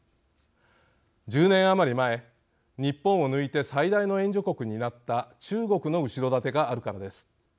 １０年余り前日本を抜いて最大の援助国になった中国の後ろ盾があるからです。